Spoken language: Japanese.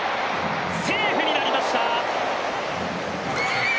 セーフになりました。